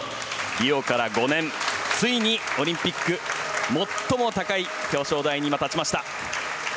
リオから５年ついにオリンピック最も高い表彰台に今、立ちました。